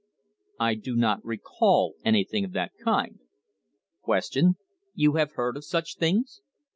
I do not recall anything of that kind. Q. You have heard of such things